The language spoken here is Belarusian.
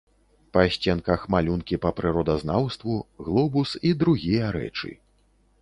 Па сценках малюнкі па прыродазнаўству, глобус і другія рэчы.